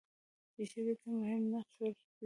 چې ښځې ته مهم نقش ورکړي؛